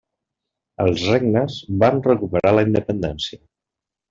Els regnes van recuperar la independència.